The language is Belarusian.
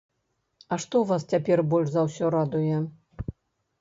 А што вас цяпер больш за ўсё радуе?